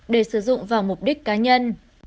để sử dụng vào mục đích cá nhân